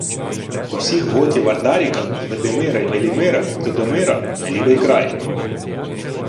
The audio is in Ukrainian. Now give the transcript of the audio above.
— Усіх готів Ардаріка, й Видимира, й Велімира, й Тодомира — на лівий край!